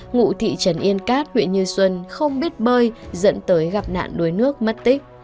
ngụ thị trấn yên cát huyện như xuân không biết bơi dẫn tới gặp nạn đuối nước mất tích